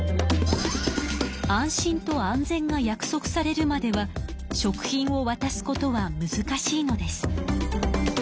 安心と安全が約束されるまでは食品をわたすことはむずかしいのです。